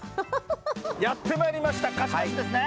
やってまいりました、鹿島市ですね。